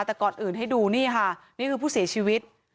แต่ก่อนอื่นให้ดูนี่ค่ะนี่คือผู้เสียชีวิต